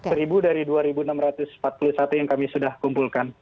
seribu dari dua enam ratus empat puluh satu yang kami sudah kumpulkan